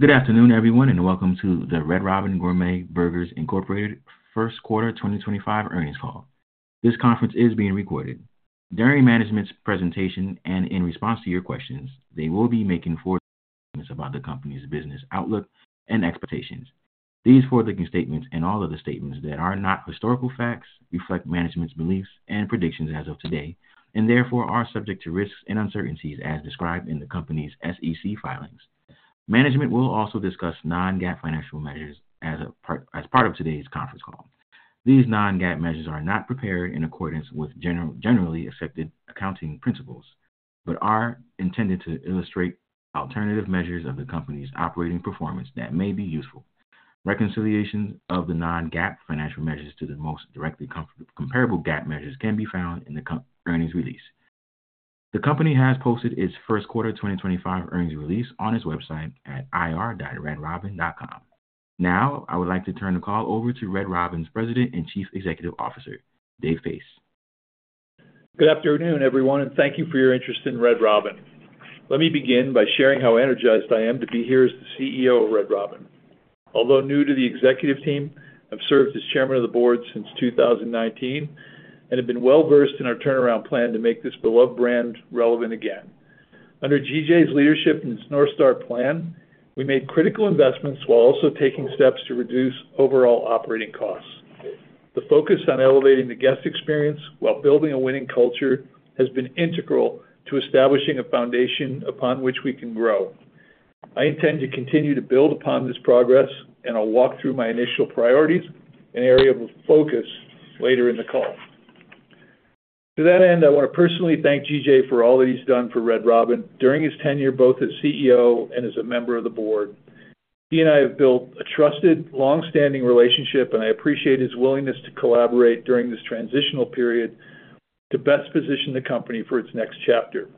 Good afternoon, everyone, and welcome to the Red Robin Gourmet Burgers first quarter 2025 earnings call. This conference is being recorded. During management's presentation and in response to your questions, they will be making forward statements about the company's business outlook and expectations. These forward-looking statements and all other statements that are not historical facts reflect management's beliefs and predictions as of today and therefore are subject to risks and uncertainties as described in the company's SEC filings. Management will also discuss non-GAAP financial measures as part of today's conference call. These non-GAAP measures are not prepared in accordance with generally accepted accounting principles but are intended to illustrate alternative measures of the company's operating performance that may be useful. Reconciliations of the non-GAAP financial measures to the most directly comparable GAAP measures can be found in the company's earnings release. The company has posted its first quarter 2025 earnings release on its website at ir.redrobin.com. Now, I would like to turn the call over to Red Robin's President and Chief Executive Officer, Dave Pace. Good afternoon, everyone, and thank you for your interest in Red Robin. Let me begin by sharing how energized I am to be here as the CEO of Red Robin. Although new to the executive team, I've served as Chairman of the Board since 2019 and have been well-versed in our turnaround plan to make this beloved brand relevant again. Under G.J.'s leadership and its North Star plan, we made critical investments while also taking steps to reduce overall operating costs. The focus on elevating the guest experience while building a winning culture has been integral to establishing a foundation upon which we can grow. I intend to continue to build upon this progress, and I'll walk through my initial priorities, an area of focus later in the call. To that end, I want to personally thank G.J. for all that he's done for Red Robin during his tenure both as CEO and as a member of the board. He and I have built a trusted, long-standing relationship, and I appreciate his willingness to collaborate during this transitional period to best position the company for its next chapter.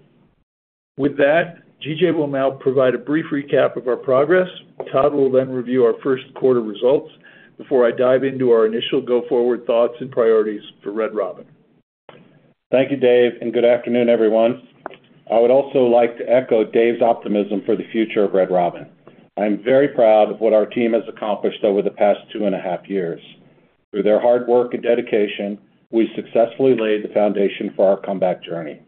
With that, G.J. will now provide a brief recap of our progress. Todd will then review our first quarter results before I dive into our initial go-forward thoughts and priorities for Red Robin. Thank you, Dave, and good afternoon, everyone. I would also like to echo Dave's optimism for the future of Red Robin. I am very proud of what our team has accomplished over the past two and a half years. Through their hard work and dedication, we successfully laid the foundation for our comeback journey.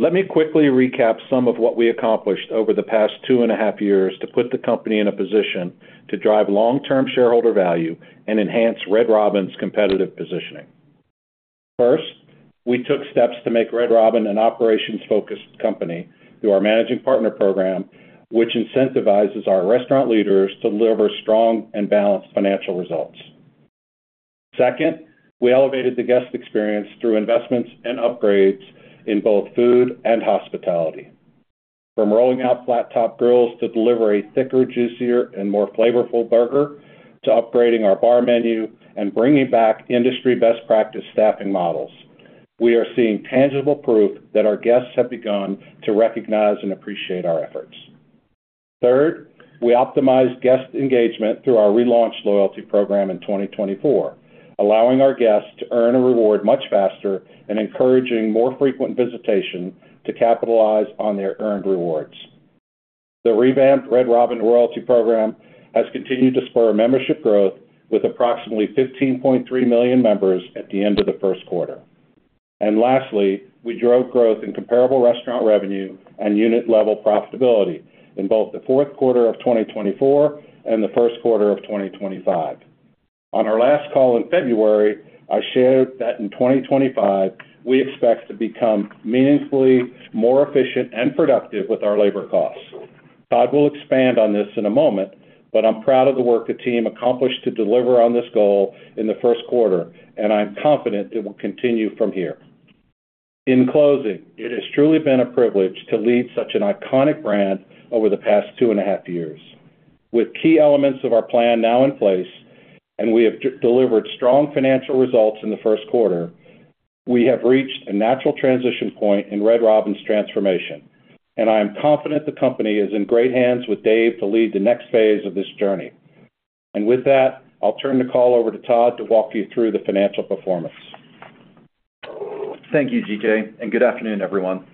Let me quickly recap some of what we accomplished over the past two and a half years to put the company in a position to drive long-term shareholder value and enhance Red Robin's competitive positioning. First, we took steps to make Red Robin an operations-focused company through our managing partner program, which incentivizes our restaurant leaders to deliver strong and balanced financial results. Second, we elevated the guest experience through investments and upgrades in both food and hospitality. From rolling out flat-top grills to deliver a thicker, juicier, and more flavorful burger, to upgrading our bar menu and bringing back industry-best practice staffing models, we are seeing tangible proof that our guests have begun to recognize and appreciate our efforts. Third, we optimized guest engagement through our relaunched loyalty program in 2024, allowing our guests to earn a reward much faster and encouraging more frequent visitation to capitalize on their earned rewards. The revamped Red Robin loyalty program has continued to spur membership growth with approximately 15.3 million members at the end of the first quarter. Lastly, we drove growth in comparable restaurant revenue and unit-level profitability in both the fourth quarter of 2024 and the first quarter of 2025. On our last call in February, I shared that in 2025, we expect to become meaningfully more efficient and productive with our labor costs. Todd will expand on this in a moment, but I'm proud of the work the team accomplished to deliver on this goal in the first quarter, and I'm confident it will continue from here. In closing, it has truly been a privilege to lead such an iconic brand over the past two and a half years. With key elements of our plan now in place and we have delivered strong financial results in the first quarter, we have reached a natural transition point in Red Robin's transformation, and I am confident the company is in great hands with Dave to lead the next phase of this journey. With that, I'll turn the call over to Todd to walk you through the financial performance. Thank you, G.J., and good afternoon, everyone.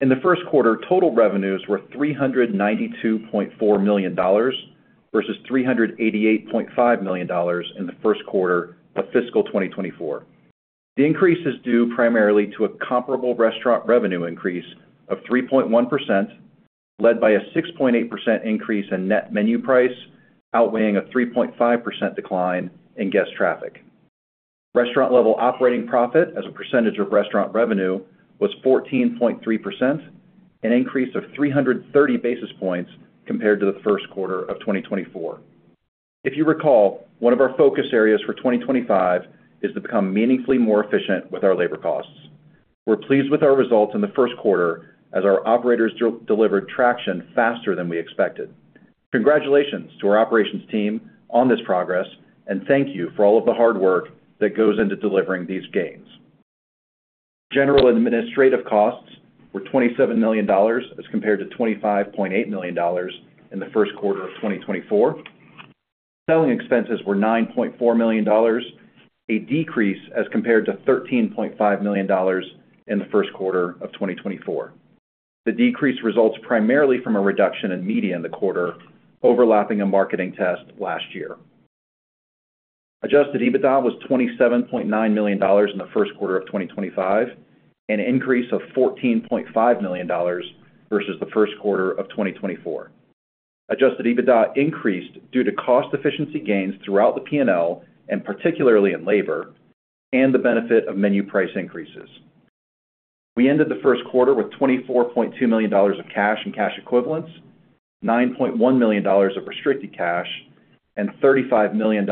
In the first quarter, total revenues were $392.4 million versus $388.5 million in the first quarter of fiscal 2024. The increase is due primarily to a comparable restaurant revenue increase of 3.1%, led by a 6.8% increase in net menu price, outweighing a 3.5% decline in guest traffic. Restaurant-level operating profit as a percentage of restaurant revenue was 14.3%, an increase of 330 basis points compared to the first quarter of 2024. If you recall, one of our focus areas for 2025 is to become meaningfully more efficient with our labor costs. We're pleased with our results in the first quarter as our operators delivered traction faster than we expected. Congratulations to our operations team on this progress, and thank you for all of the hard work that goes into delivering these gains. General administrative costs were $27 million as compared to $25.8 million in the first quarter of 2024. Selling expenses were $9.4 million, a decrease as compared to $13.5 million in the first quarter of 2024. The decrease results primarily from a reduction in media in the quarter, overlapping a marketing test last year. Adjusted EBITDA was $27.9 million in the first quarter of 2025, an increase of $14.5 million versus the first quarter of 2024. Adjusted EBITDA increased due to cost-efficiency gains throughout the P&L, and particularly in labor, and the benefit of menu price increases. We ended the first quarter with $24.2 million of cash and cash equivalents, $9.1 million of restricted cash, and $35 million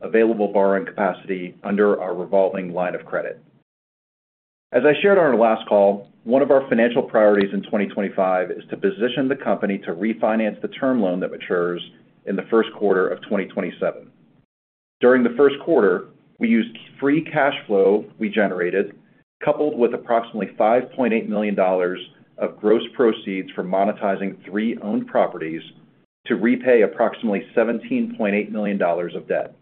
available borrowing capacity under our revolving line of credit. As I shared on our last call, one of our financial priorities in 2025 is to position the company to refinance the term loan that matures in the first quarter of 2027. During the first quarter, we used free cash flow we generated, coupled with approximately $5.8 million of gross proceeds from monetizing three owned properties to repay approximately $17.8 million of debt.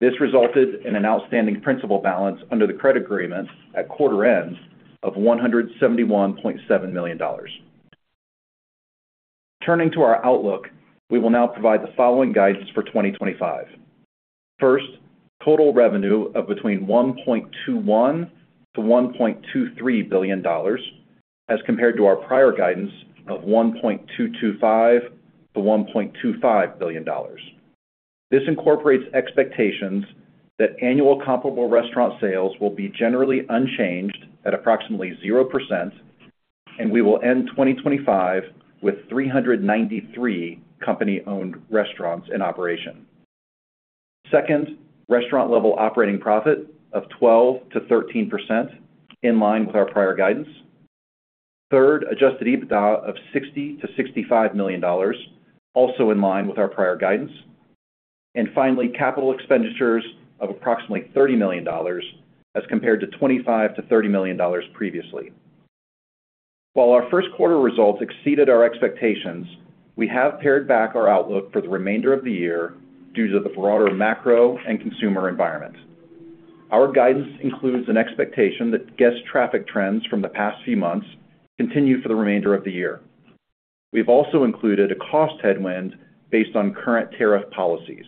This resulted in an outstanding principal balance under the credit agreement at quarter-end of $171.7 million. Turning to our outlook, we will now provide the following guidance for 2025. First, total revenue of between $1.21 billion-$1.23 billion as compared to our prior guidance of $1.225 billion-$1.25 billion. This incorporates expectations that annual comparable restaurant sales will be generally unchanged at approximately 0%, and we will end 2025 with 393 company-owned restaurants in operation. Second, restaurant-level operating profit of 12%-13%, in line with our prior guidance. Third, adjusted EBITDA of $60-$65 million, also in line with our prior guidance. Finally, capital expenditures of approximately $30 million as compared to $25-$30 million previously. While our first quarter results exceeded our expectations, we have pared back our outlook for the remainder of the year due to the broader macro and consumer environment. Our guidance includes an expectation that guest traffic trends from the past few months continue for the remainder of the year. We have also included a cost headwind based on current tariff policies.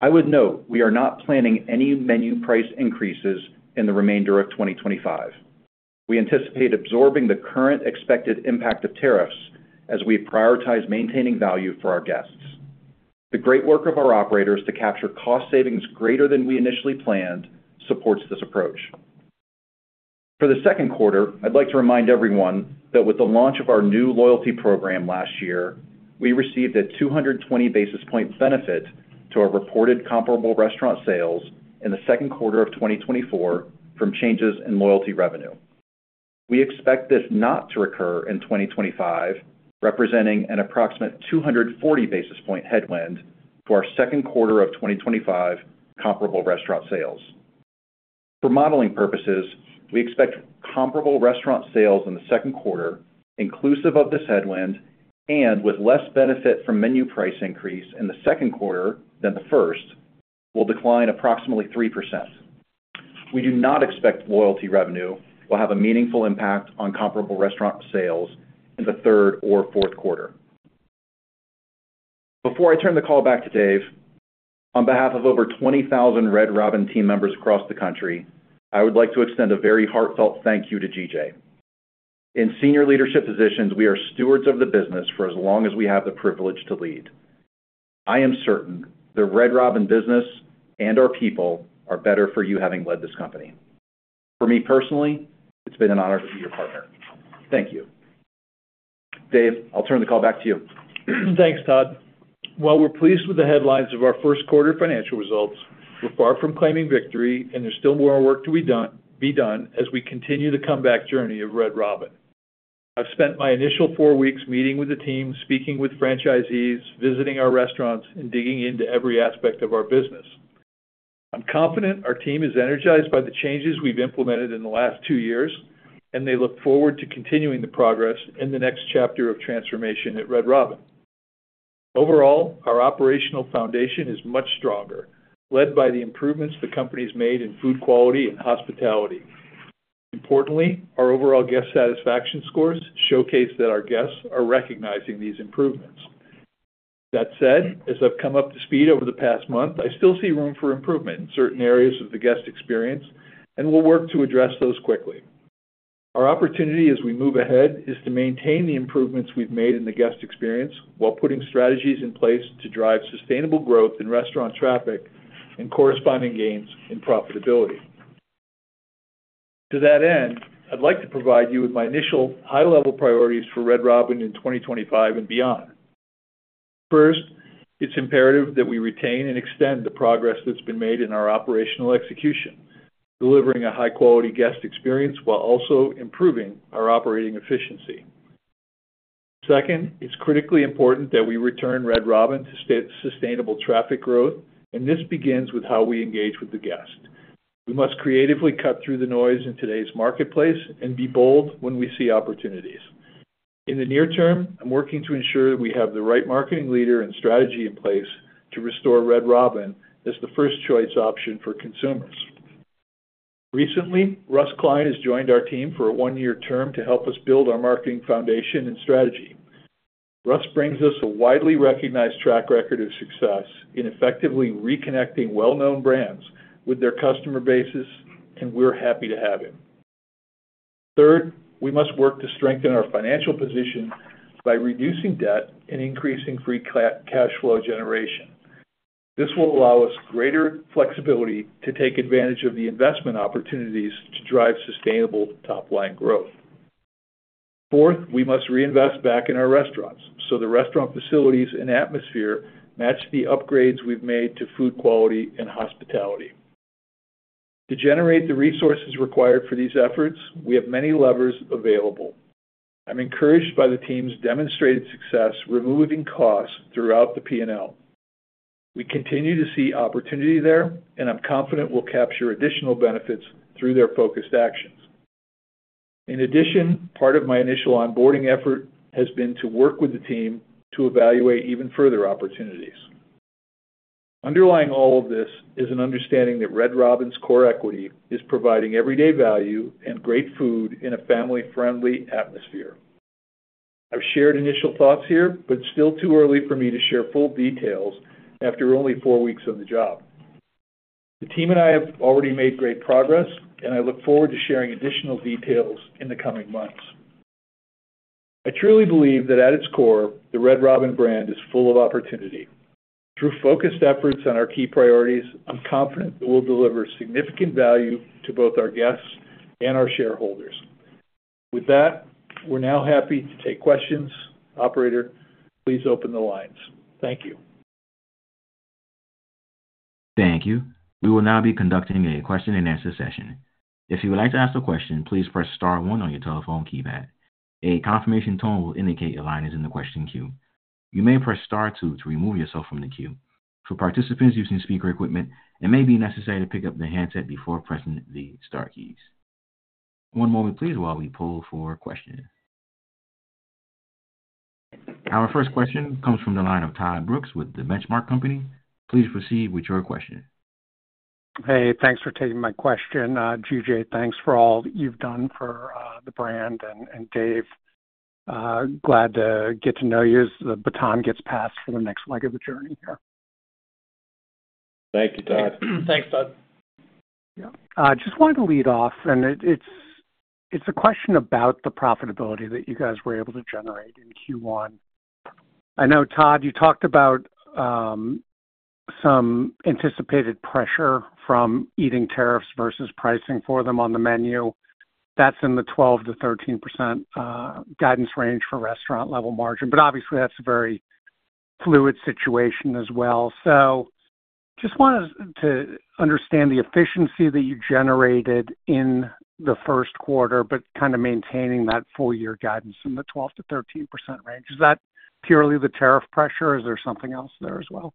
I would note we are not planning any menu price increases in the remainder of 2025. We anticipate absorbing the current expected impact of tariffs as we prioritize maintaining value for our guests. The great work of our operators to capture cost savings greater than we initially planned supports this approach. For the second quarter, I'd like to remind everyone that with the launch of our new loyalty program last year, we received a 220 basis point benefit to our reported comparable restaurant sales in the second quarter of 2024 from changes in loyalty revenue. We expect this not to recur in 2025, representing an approximate 240 basis point headwind for our second quarter of 2025 comparable restaurant sales. For modeling purposes, we expect comparable restaurant sales in the second quarter, inclusive of this headwind, and with less benefit from menu price increase in the second quarter than the first, will decline approximately 3%. We do not expect loyalty revenue will have a meaningful impact on comparable restaurant sales in the third or fourth quarter. Before I turn the call back to Dave, on behalf of over 20,000 Red Robin team members across the country, I would like to extend a very heartfelt thank you to G.J. In senior leadership positions, we are stewards of the business for as long as we have the privilege to lead. I am certain the Red Robin business and our people are better for you having led this company. For me personally, it's been an honor to be your partner. Thank you. Dave, I'll turn the call back to you. Thanks, Todd. While we're pleased with the headlines of our first quarter financial results, we're far from claiming victory, and there's still more work to be done as we continue the comeback journey of Red Robin. I've spent my initial four weeks meeting with the team, speaking with franchisees, visiting our restaurants, and digging into every aspect of our business. I'm confident our team is energized by the changes we've implemented in the last two years, and they look forward to continuing the progress in the next chapter of transformation at Red Robin. Overall, our operational foundation is much stronger, led by the improvements the company's made in food quality and hospitality. Importantly, our overall guest satisfaction scores showcase that our guests are recognizing these improvements. That said, as I've come up to speed over the past month, I still see room for improvement in certain areas of the guest experience, and we'll work to address those quickly. Our opportunity as we move ahead is to maintain the improvements we've made in the guest experience while putting strategies in place to drive sustainable growth in restaurant traffic and corresponding gains in profitability. To that end, I'd like to provide you with my initial high-level priorities for Red Robin in 2025 and beyond. First, it's imperative that we retain and extend the progress that's been made in our operational execution, delivering a high-quality guest experience while also improving our operating efficiency. Second, it's critically important that we return Red Robin to sustainable traffic growth, and this begins with how we engage with the guest. We must creatively cut through the noise in today's marketplace and be bold when we see opportunities. In the near term, I'm working to ensure that we have the right marketing leader and strategy in place to restore Red Robin as the first-choice option for consumers. Recently, Russ Klein has joined our team for a one-year term to help us build our marketing foundation and strategy. Russ brings us a widely recognized track record of success in effectively reconnecting well-known brands with their customer bases, and we're happy to have him. Third, we must work to strengthen our financial position by reducing debt and increasing free cash flow generation. This will allow us greater flexibility to take advantage of the investment opportunities to drive sustainable top-line growth. Fourth, we must reinvest back in our restaurants so the restaurant facilities and atmosphere match the upgrades we've made to food quality and hospitality. To generate the resources required for these efforts, we have many levers available. I'm encouraged by the team's demonstrated success removing costs throughout the P&L. We continue to see opportunity there, and I'm confident we'll capture additional benefits through their focused actions. In addition, part of my initial onboarding effort has been to work with the team to evaluate even further opportunities. Underlying all of this is an understanding that Red Robin's core equity is providing everyday value and great food in a family-friendly atmosphere. I've shared initial thoughts here, but it's still too early for me to share full details after only four weeks on the job. The team and I have already made great progress, and I look forward to sharing additional details in the coming months. I truly believe that at its core, the Red Robin brand is full of opportunity. Through focused efforts on our key priorities, I'm confident that we'll deliver significant value to both our guests and our shareholders. With that, we're now happy to take questions. Operator, please open the lines. Thank you. Thank you. We will now be conducting a question-and-answer session. If you would like to ask a question, please press star one on your telephone keypad. A confirmation tone will indicate your line is in the question queue. You may press star two to remove yourself from the queue. For participants using speaker equipment, it may be necessary to pick up the handset before pressing the star keys. One moment, please, while we pull for questions. Our first question comes from the line of Todd Brooks with the Benchmark Company. Please proceed with your question. Hey, thanks for taking my question, G.J. Thanks for all you've done for the brand and Dave. Glad to get to know you as the baton gets passed for the next leg of the journey here. Thank you, Todd. Thanks, Todd. Yeah, I just wanted to lead off, and it's a question about the profitability that you guys were able to generate in Q1. I know, Todd, you talked about some anticipated pressure from eating tariffs versus pricing for them on the menu. That's in the 12%-13% guidance range for restaurant-level margin, but obviously, that's a very fluid situation as well. Just wanted to understand the efficiency that you generated in the first quarter, but kind of maintaining that full-year guidance in the 12%-13% range. Is that purely the tariff pressure? Is there something else there as well?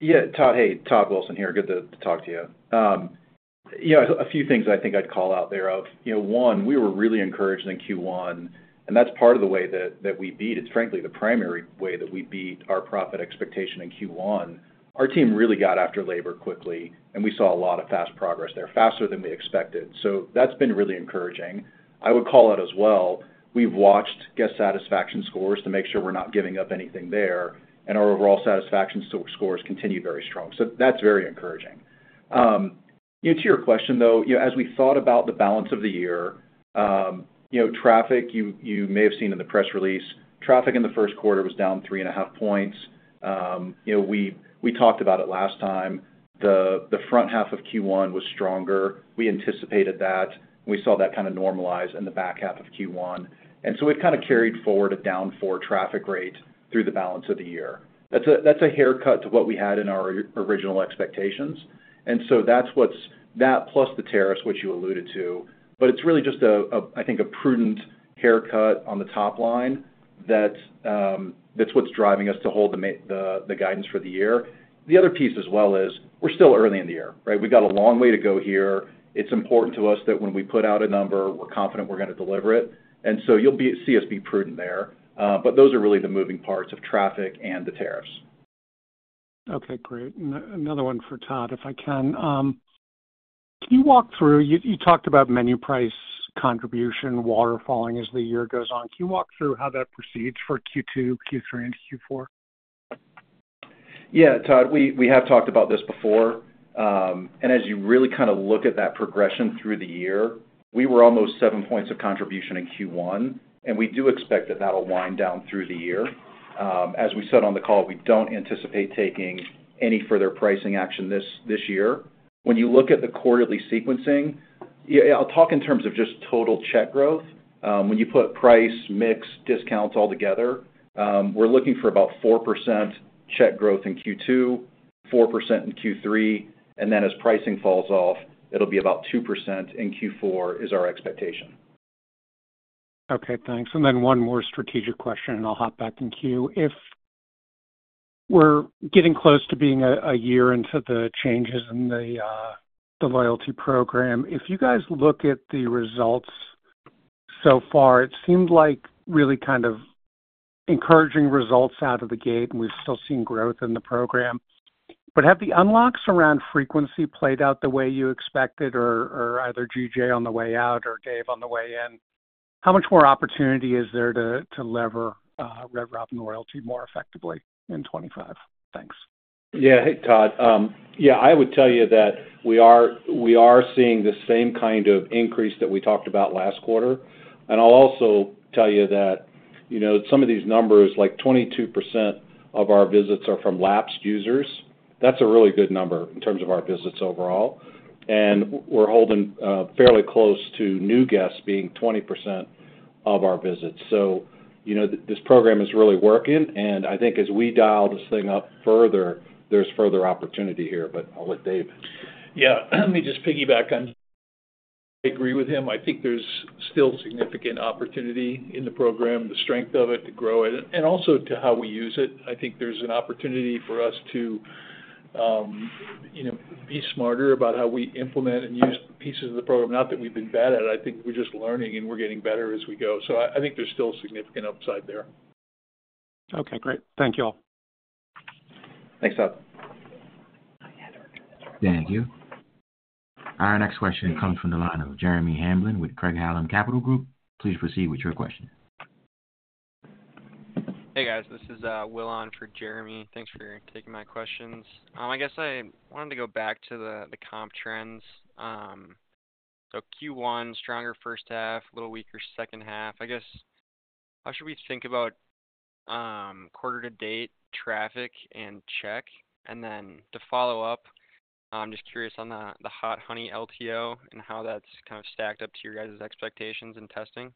Yeah, Todd, hey, Todd Wilson here. Good to talk to you. A few things I think I'd call out there of, one, we were really encouraged in Q1, and that's part of the way that we beat. It's frankly the primary way that we beat our profit expectation in Q1. Our team really got after labor quickly, and we saw a lot of fast progress there, faster than we expected. That has been really encouraging. I would call out as well, we've watched guest satisfaction scores to make sure we're not giving up anything there, and our overall satisfaction scores continue very strong. That is very encouraging. To your question, though, as we thought about the balance of the year, traffic, you may have seen in the press release, traffic in the first quarter was down three and a half points. We talked about it last time. The front half of Q1 was stronger. We anticipated that. We saw that kind of normalize in the back half of Q1. We have kind of carried forward a down 4% traffic rate through the balance of the year. That is a haircut to what we had in our original expectations. That plus the tariffs, which you alluded to. It is really just, I think, a prudent haircut on the top line. That is what is driving us to hold the guidance for the year. The other piece as well is we are still early in the year, right? We have got a long way to go here. It is important to us that when we put out a number, we are confident we are going to deliver it. You will see us be prudent there. Those are really the moving parts of traffic and the tariffs. Okay, great. Another one for Todd, if I can. Can you walk through, you talked about menu price contribution, waterfalling as the year goes on. Can you walk through how that proceeds for Q2, Q3, and Q4? Yeah, Todd, we have talked about this before. As you really kind of look at that progression through the year, we were almost seven percentage points of contribution in Q1, and we do expect that that will wind down through the year. As we said on the call, we do not anticipate taking any further pricing action this year. When you look at the quarterly sequencing, I will talk in terms of just total check growth. When you put price, mix, discounts all together, we are looking for about 4% check growth in Q2, 4% in Q3, and then as pricing falls off, it will be about 2% in Q4 is our expectation. Okay, thanks. And then one more strategic question, and I'll hop back in queue. If we're getting close to being a year into the changes in the loyalty program, if you guys look at the results so far, it seemed like really kind of encouraging results out of the gate, and we've still seen growth in the program. But have the unlocks around frequency played out the way you expected, or either G.J. on the way out or Dave on the way in? How much more opportunity is there to lever Red Robin loyalty more effectively in 2025? Thanks. Yeah, hey, Todd. Yeah, I would tell you that we are seeing the same kind of increase that we talked about last quarter. I'll also tell you that some of these numbers, like 22% of our visits are from lapsed users. That's a really good number in terms of our visits overall. We're holding fairly close to new guests being 20% of our visits. This program is really working, and I think as we dial this thing up further, there's further opportunity here. I'll let Dave. Yeah, let me just piggyback on. I agree with him. I think there's still significant opportunity in the program, the strength of it to grow it, and also to how we use it. I think there's an opportunity for us to be smarter about how we implement and use pieces of the program. Not that we've been bad at it. I think we're just learning, and we're getting better as we go. I think there's still significant upside there. Okay, great. Thank you all. Thanks, Todd. Thank you. Our next question comes from the line of Jeremy Hamblin with Craig-Hallum Capital Group. Please proceed with your question. Hey, guys. This is Will on for Jeremy. Thanks for taking my questions. I guess I wanted to go back to the comp trends. So Q1, stronger first half, a little weaker second half. I guess, how should we think about quarter-to-date traffic and check? And then to follow up, I'm just curious on the Hot Honey LTO and how that's kind of stacked up to your guys' expectations and testing.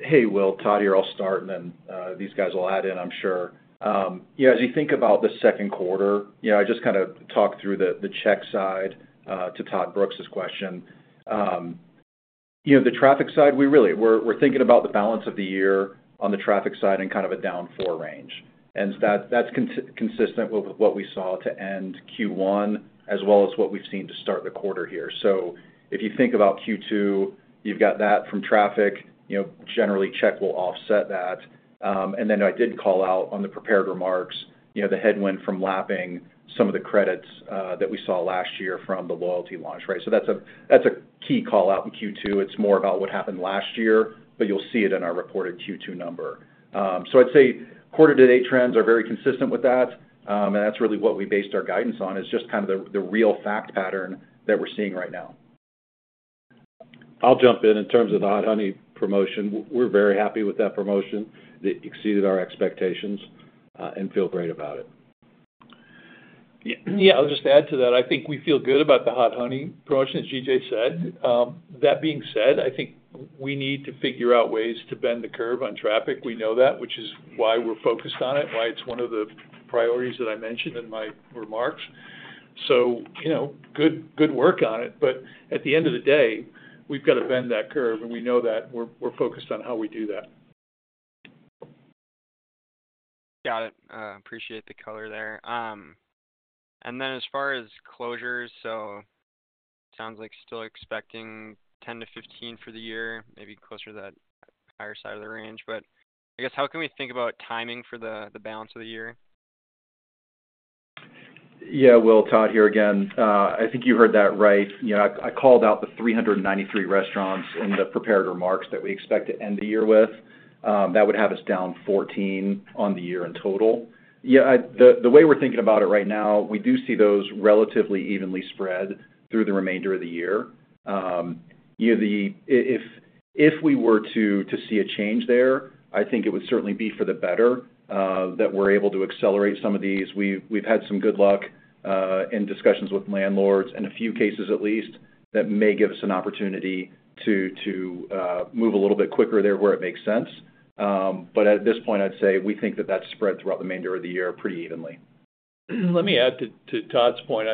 Hey, Will, Todd here. I'll start, and then these guys will add in, I'm sure. As you think about the second quarter, I just kind of talked through the check side to Todd Brooks' question. The traffic side, we're thinking about the balance of the year on the traffic side in kind of a down 4% range. And that's consistent with what we saw to end Q1, as well as what we've seen to start the quarter here. If you think about Q2, you've got that from traffic. Generally, check will offset that. I did call out on the prepared remarks, the headwind from lapping some of the credits that we saw last year from the loyalty launch, right? That's a key call out in Q2. It's more about what happened last year, but you'll see it in our reported Q2 number. I'd say quarter-to-date trends are very consistent with that, and that's really what we based our guidance on, is just kind of the real fact pattern that we're seeing right now. I'll jump in. In terms of the Hot Honey promotion, we're very happy with that promotion. It exceeded our expectations, and feel great about it. Yeah, I'll just add to that. I think we feel good about the Hot Honey promotion, as G.J. said. That being said, I think we need to figure out ways to bend the curve on traffic. We know that, which is why we're focused on it, why it's one of the priorities that I mentioned in my remarks. Good work on it. At the end of the day, we've got to bend that curve, and we know that. We're focused on how we do that. Got it. Appreciate the color there. As far as closures, it sounds like still expecting 10-15 for the year, maybe closer to that higher side of the range. I guess, how can we think about timing for the balance of the year? Yeah, Will, Todd here again. I think you heard that right. I called out the 393 restaurants in the prepared remarks that we expect to end the year with. That would have us down 14 on the year in total. Yeah, the way we're thinking about it right now, we do see those relatively evenly spread through the remainder of the year. If we were to see a change there, I think it would certainly be for the better that we're able to accelerate some of these. We've had some good luck in discussions with landlords in a few cases, at least, that may give us an opportunity to move a little bit quicker there where it makes sense. At this point, I'd say we think that that's spread throughout the remainder of the year pretty evenly. Let me add to Todd's point,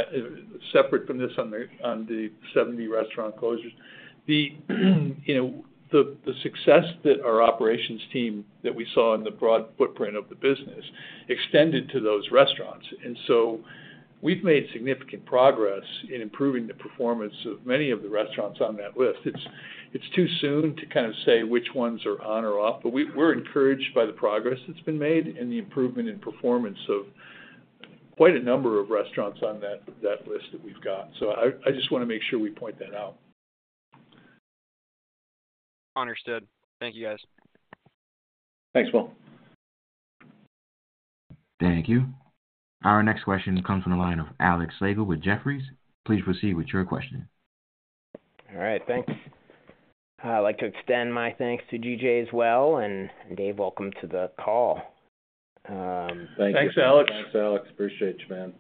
separate from this on the 70 restaurant closures. The success that our operations team that we saw in the broad footprint of the business extended to those restaurants. We have made significant progress in improving the performance of many of the restaurants on that list. It's too soon to kind of say which ones are on or off, but we're encouraged by the progress that's been made and the improvement in performance of quite a number of restaurants on that list that we've got. I just want to make sure we point that out. Understood. Thank you, guys. Thanks, Will. Thank you. Our next question comes from the line of Alex Slagel with Jefferies. Please proceed with your question. All right, thanks. I'd like to extend my thanks to G.J. as well, and Dave, welcome to the call. Thanks, Alex. Thanks, Alex. Appreciate you, man.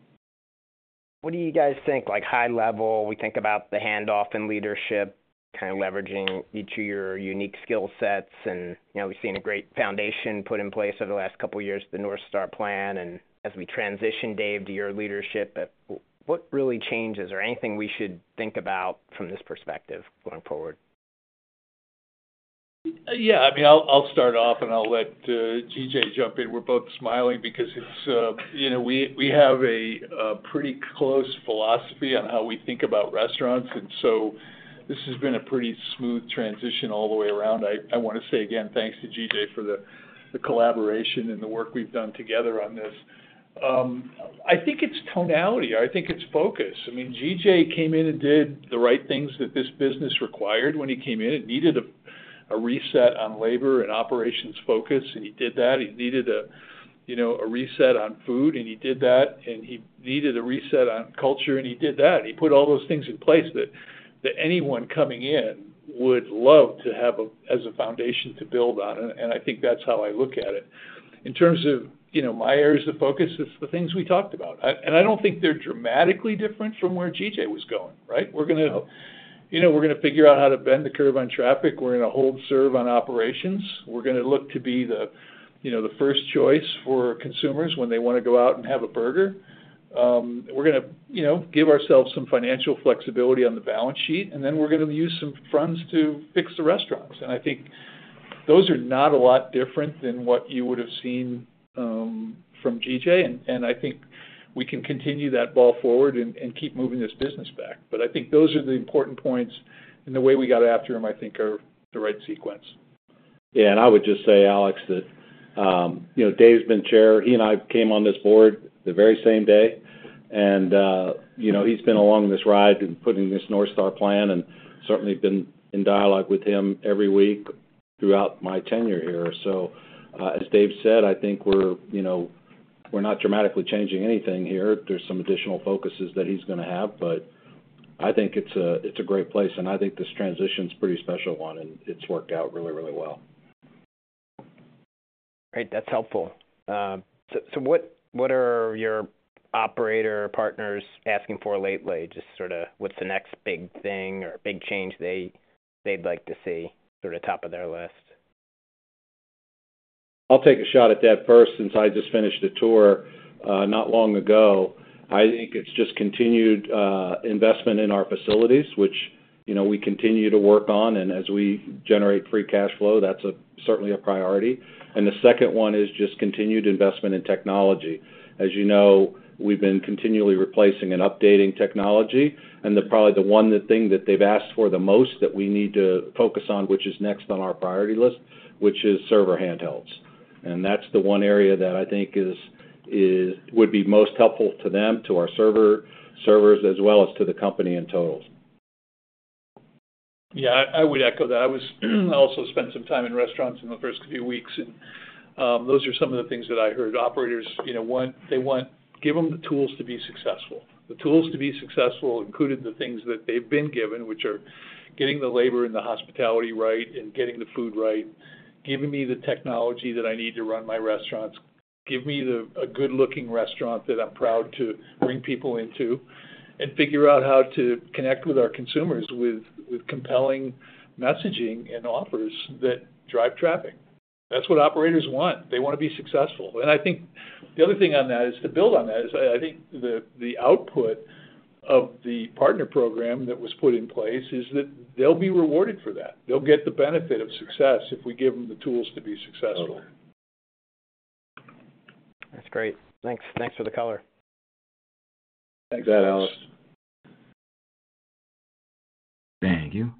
What do you guys think? High level, we think about the handoff and leadership, kind of leveraging each of your unique skill sets. We have seen a great foundation put in place over the last couple of years, the North Star plan. As we transition, Dave, to your leadership, what really changes or anything we should think about from this perspective going forward? Yeah, I mean, I'll start off, and I'll let G.J. jump in. We're both smiling because we have a pretty close philosophy on how we think about restaurants. This has been a pretty smooth transition all the way around. I want to say again, thanks to G.J. for the collaboration and the work we've done together on this. I think it's tonality. I think it's focus. I mean, G.J. came in and did the right things that this business required when he came in. It needed a reset on labor and operations focus, and he did that. He needed a reset on food, and he did that. He needed a reset on culture, and he did that. He put all those things in place that anyone coming in would love to have as a foundation to build on. I think that's how I look at it. In terms of my areas of focus, it's the things we talked about. I don't think they're dramatically different from where G.J. was going, right? We're going to figure out how to bend the curve on traffic. We're going to hold serve on operations. We're going to look to be the first choice for consumers when they want to go out and have a burger. We're going to give ourselves some financial flexibility on the balance sheet, and then we're going to use some funds to fix the restaurants. I think those are not a lot different than what you would have seen from G.J. I think we can continue that ball forward and keep moving this business back. I think those are the important points. The way we got after them, I think, are the right sequence. Yeah, and I would just say, Alex, that Dave's been chair. He and I came on this board the very same day. He's been along this ride in putting this North Star plan and certainly been in dialogue with him every week throughout my tenure here. As Dave said, I think we're not dramatically changing anything here. There's some additional focuses that he's going to have, but I think it's a great place. I think this transition is a pretty special one, and it's worked out really, really well. Great. That's helpful. What are your operator partners asking for lately? Just sort of what's the next big thing or big change they'd like to see, sort of top of their list? I'll take a shot at that first since I just finished a tour not long ago. I think it's just continued investment in our facilities, which we continue to work on. As we generate free cash flow, that's certainly a priority. The second one is just continued investment in technology. As you know, we've been continually replacing and updating technology. Probably the one thing that they've asked for the most that we need to focus on, which is next on our priority list, is server handhelds. That's the one area that I think would be most helpful to them, to our servers, as well as to the company in total. Yeah, I would echo that. I also spent some time in restaurants in the first few weeks. Those are some of the things that I heard. Operators, they want to give them the tools to be successful. The tools to be successful included the things that they've been given, which are getting the labor and the hospitality right and getting the food right, giving me the technology that I need to run my restaurants, give me a good-looking restaurant that I'm proud to bring people into, and figure out how to connect with our consumers with compelling messaging and offers that drive traffic. That's what operators want. They want to be successful. I think the other thing on that is to build on that is I think the output of the partner program that was put in place is that they'll be rewarded for that. They'll get the benefit of success if we give them the tools to be successful. That's great. Thanks for the color. Thanks. Thanks, Alex. Thank you.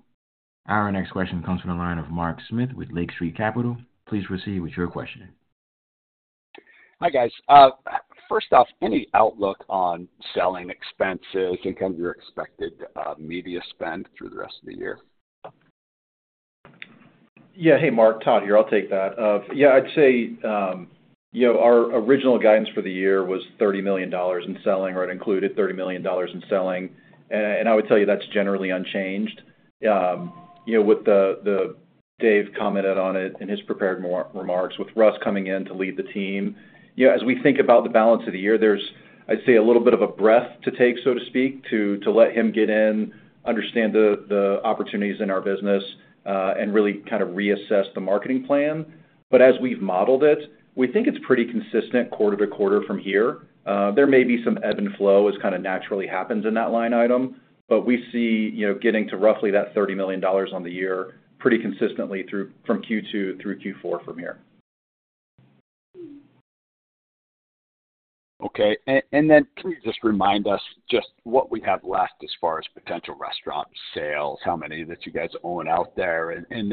Our next question comes from the line of Mark Smith with Lake Street Capital. Please proceed with your question. Hi, guys. First off, any outlook on selling expenses and kind of your expected media spend through the rest of the year? Yeah. Hey, Mark, Todd here. I'll take that. Yeah, I'd say our original guidance for the year was $30 million in selling, or it included $30 million in selling. I would tell you that's generally unchanged. Dave commented on it in his prepared remarks, with Russ coming in to lead the team, as we think about the balance of the year, there's, I'd say, a little bit of a breath to take, so to speak, to let him get in, understand the opportunities in our business, and really kind of reassess the marketing plan. As we've modeled it, we think it's pretty consistent quarter to quarter from here. There may be some ebb and flow as kind of naturally happens in that line item, but we see getting to roughly that $30 million on the year pretty consistently from Q2 through Q4 from here. Okay. Can you just remind us just what we have left as far as potential restaurant sales, how many that you guys own out there? In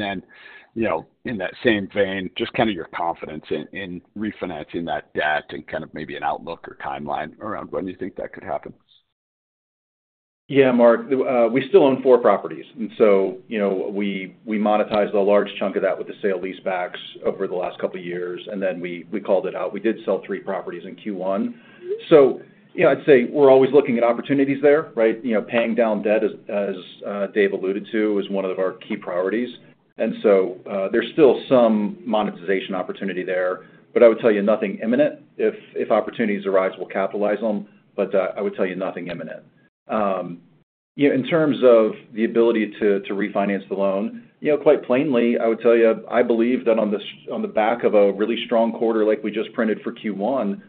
that same vein, just kind of your confidence in refinancing that debt and kind of maybe an outlook or timeline around when you think that could happen? Yeah, Mark. We still own four properties. We monetized a large chunk of that with the sale-leasebacks over the last couple of years. We called it out. We did sell three properties in Q1. I'd say we're always looking at opportunities there, right? Paying down debt, as Dave alluded to, is one of our key priorities. There's still some monetization opportunity there, but I would tell you nothing imminent. If opportunities arise, we'll capitalize on them. I would tell you nothing imminent. In terms of the ability to refinance the loan, quite plainly, I would tell you, I believe that on the back of a really strong quarter like we just printed for Q1,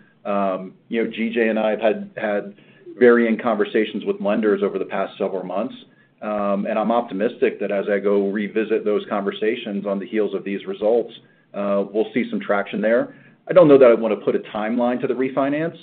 G.J. and I have had varying conversations with lenders over the past several months. I'm optimistic that as I go revisit those conversations on the heels of these results, we'll see some traction there. I don't know that I want to put a timeline to the refinance,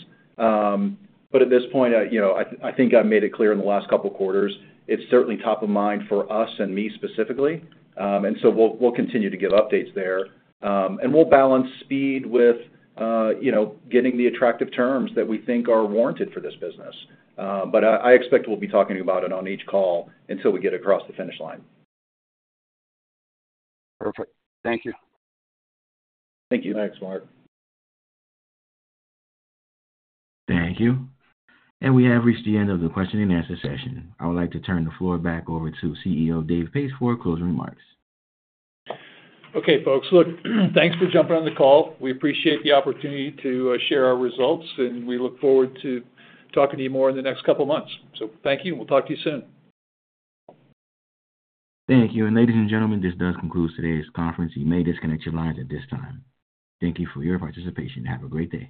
but at this point, I think I've made it clear in the last couple of quarters, it's certainly top of mind for us and me specifically. We'll continue to give updates there. We'll balance speed with getting the attractive terms that we think are warranted for this business. I expect we'll be talking about it on each call until we get across the finish line. Perfect. Thank you. Thank you. Thanks, Mark. Thank you. We have reached the end of the question and answer session. I would like to turn the floor back over to CEO Dave Pace for closing remarks. Okay, folks. Look, thanks for jumping on the call. We appreciate the opportunity to share our results, and we look forward to talking to you more in the next couple of months. Thank you, and we'll talk to you soon. Thank you. Ladies and gentlemen, this does conclude today's conference. You may disconnect your lines at this time. Thank you for your participation. Have a great day.